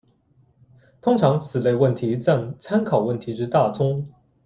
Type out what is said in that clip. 通常此类问题占参考问题之大宗。